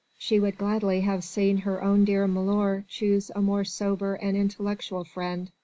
She would gladly have seen her own dear milor choose a more sober and intellectual friend.